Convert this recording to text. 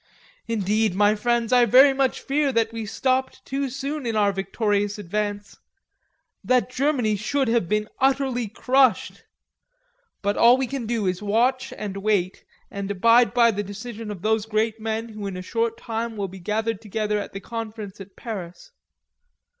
Indeed, my friends, I very much fear that we stopped too soon in our victorious advance; that Germany should have been utterly crushed. But all we can do is watch and wait, and abide by the decision of those great men who in a short time will be gathered together at the Conference at Paris....